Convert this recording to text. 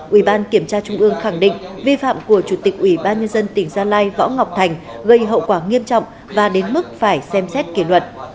ủy ban kiểm tra trung ương khẳng định vi phạm của chủ tịch ủy ban nhân dân tỉnh gia lai võ ngọc thành gây hậu quả nghiêm trọng và đến mức phải xem xét kỷ luật